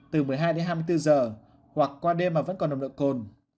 từ một mươi hai đến hai mươi bốn giờ hoặc qua đêm mà vẫn còn nồng độ cồn